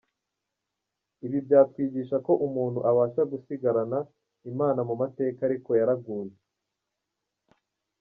Ibi byatwigisha ko umuntu abasha gusigarana Imana mu mateka ariko yaraguye ”.